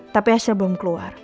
tapi hasil belum keluar